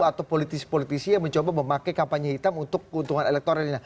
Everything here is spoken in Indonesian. atau politisi politisi yang mencoba memakai kampanye hitam untuk keuntungan elektoralnya